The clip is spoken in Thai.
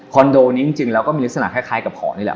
คอลโดนี่จริงแล้วก็มีลักษณะแค่ไขกับหอเนี้ยแหละ